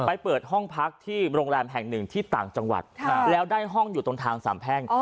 เปิดห้องพักที่โรงแรมแห่งหนึ่งที่ต่างจังหวัดแล้วได้ห้องอยู่ตรงทางสามแพ่ง